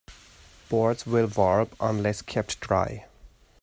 Boards will warp unless kept dry.